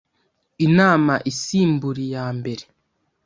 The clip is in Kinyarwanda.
inama isimbura iya mbere